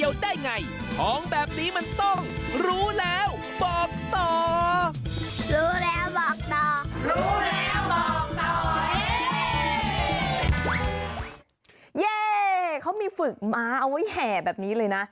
เย่เขามีฝึกม้าเอาไว้แห่แบบนี้เลยนะ